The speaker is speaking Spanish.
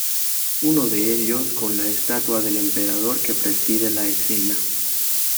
Uno de ellos con la estatua del emperador que preside la escena.